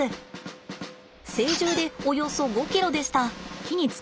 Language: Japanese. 成獣でおよそ５ｋｇでした。